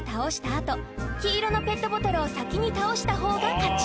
あと黄色のペットボトルを先に倒した方が勝ち。